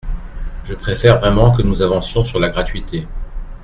Je préfère vraiment que nous avancions sur la gratuité.